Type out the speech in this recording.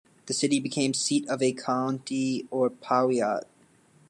The city became seat of a county, or Powiat.